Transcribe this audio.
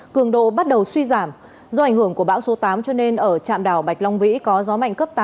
cường độ bắt đầu suy giảm do ảnh hưởng của bão số tám cho nên ở trạm đảo bạch long vĩ có gió mạnh cấp tám